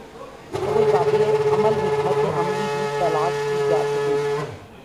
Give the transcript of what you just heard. تو کوئی قابل عمل حکمت عملی بھی تلاش کی جا سکے گی۔